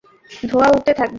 ধোঁয়া উড়তে থাকবে।